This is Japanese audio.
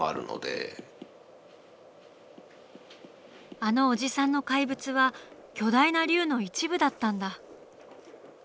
あのおじさんの怪物は巨大な龍の一部だったんだ。